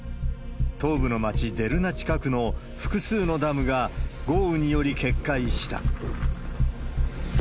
東部の町デルナ近くの複数のダムが豪雨により決壊した。